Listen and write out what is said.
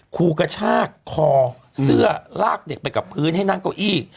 ครูกระชากคอเสื้อลากเด็กไปกับพื้นให้นั่งเก้าอี้